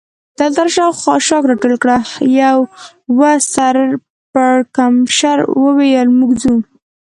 دلته راشئ او خاشاک را ټول کړئ، یوه سر پړکمشر وویل: موږ ځو.